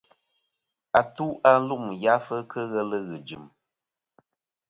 Atu-a lum yafɨ kɨ ghelɨ ghɨ̀ jɨ̀m.